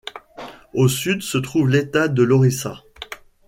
Au Sud se trouve l'État de l'Orissa.